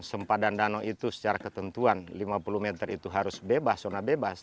sempadan danau itu secara ketentuan lima puluh meter itu harus bebas zona bebas